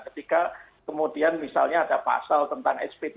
ketika kemudian misalnya ada pasal tentang sp tiga